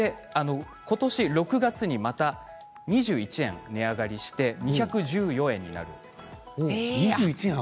ことし６月にまた、２１円値上がりして２１４円になる。